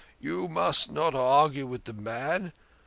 " You must not argue with the man.